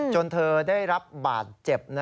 จนเธอได้รับบาดเจ็บ